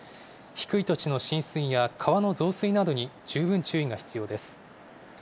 低い土地の浸水や川の増水などに十分注意が必要です。